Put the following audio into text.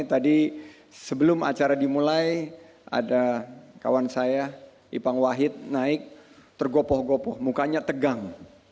tadi sebelum acara dimulai ada kawan saya ipang wahid naik tergopoh gopoh mukanya tegang